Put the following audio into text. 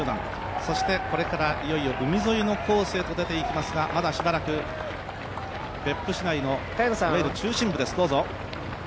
そしてこれからいよいよ海沿いのコースへと出て行きますがまだしばらく別府市内の中心部です。